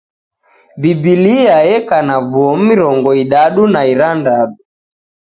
Biblia eka na vuo mirongo irandadu na irandadu.